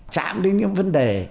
chạm đến những vấn đề